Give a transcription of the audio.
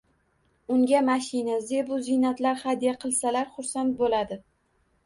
Unga mashina, zebu ziynatlar hadya qilsalar xursand boʻladi.